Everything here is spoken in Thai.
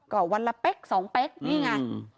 ก็วันละเป๊กสองเป๊กนี่ไง